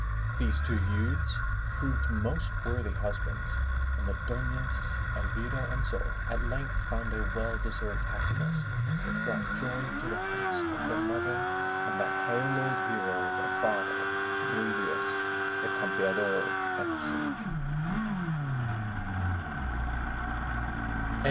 These two youths proved most worthy husbands and the Dofias Elvira and Sol at length found a well deserved happiness which brought joy to the hearts of their mother and that hale old hero, their father, Ruy Diaz, the Campeador and Cid.